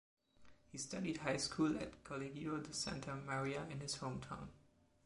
He studied high school at Colegio de Santa María in his home town.